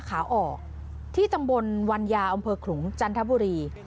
ขาออกที่ตำบลวันยาอำเภอขลุงจันทบุรี